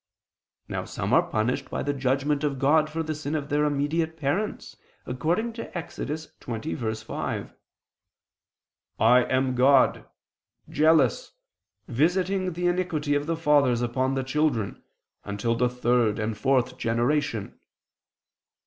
Now some are punished by the judgment of God for the sin of their immediate parents, according to Ex. 20:5: "I am ... God ... jealous, visiting the iniquity of the fathers upon the children, unto the third and fourth generation."